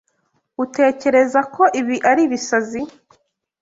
Utekereza ko ibi ari ibisazi?